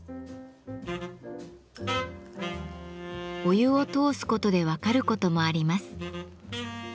お湯を通すことで分かることもあります。